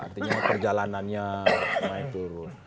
artinya perjalanannya naik turun